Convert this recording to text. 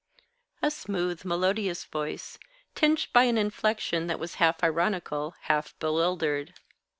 a smooth, melodious voice, tinged by an inflection that was half ironical, half bewildered.